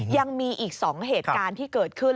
ยังมีอีก๒เหตุการณ์ที่เกิดขึ้น